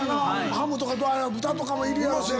ハムとか豚とかもいるやろし。